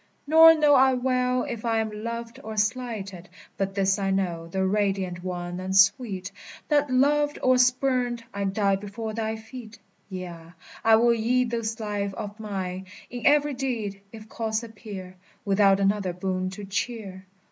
Nor know I well if I am loved or slighted; But this I know, thou radiant one and sweet, That, loved or spurned, I die before thy feet! Yea, I will yield this life of mine In every deed, if cause appear, Without another boon to cheer.